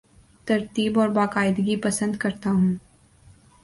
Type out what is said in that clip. ترتیب اور باقاعدگی پسند کرتا ہوں